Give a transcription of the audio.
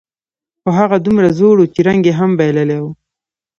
خو هغه دومره زوړ و، چې رنګ یې هم بایللی و.